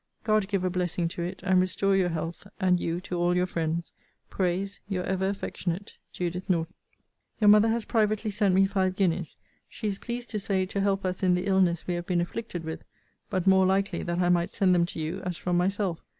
God give a blessing to it, and restore your health, and you to all your friends, prays Your ever affectionate, JUDITH NORTON. Your mother has privately sent me five guineas: she is pleased to say to help us in the illness we have been afflicted with; but, more likely, that I might send them to you, as from myself.